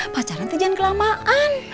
pacaran tijan kelamaan